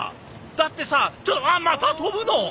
だってさちょっとまた飛ぶの！？